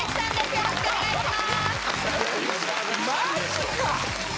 よろしくお願いしますマジか？